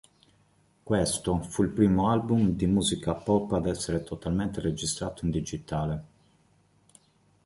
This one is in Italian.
Questo fu il primo album di musica pop ad essere totalmente registrato in digitale.